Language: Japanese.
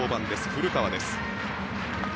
古川です。